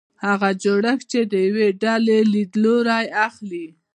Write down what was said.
هغه جوړښت چې د یوې ډلې لیدلوری اخلي.